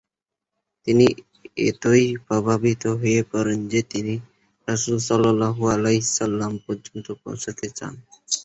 তিনি এতই প্রভাবিত হয়ে পড়েন যে তিনি রাসূল সাল্লাল্লাহু আলাইহি ওয়াসাল্লাম পর্যন্ত পৌঁছতে চান।